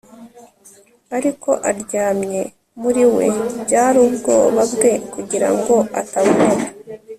ariko aryamye muri we. byari ubwoba bwe, kugira ngo ataboneka